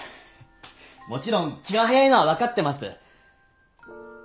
もちろん気が早いのは分かってます。